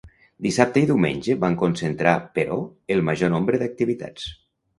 Dissabte i diumenge van concentrar, però, el major nombre d’activitats.